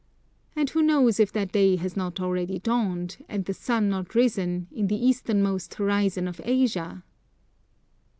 And who knows if that day has not already dawned, and the sun not risen, in the Easternmost horizon of Asia?